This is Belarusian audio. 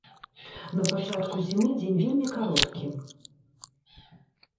На пачатку зімы дзень вельмі кароткі.